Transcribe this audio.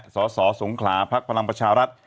สสสงขลาพพลังประชารัฐ